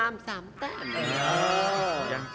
มามีเอย